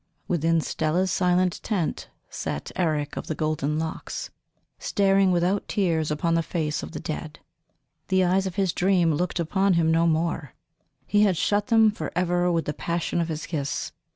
Within Stella's silent tent sat Eric of the golden locks, staring without tears upon the face of the dead. The eyes of his dream looked upon him no more; he had shut them for ever with the passion of his kiss.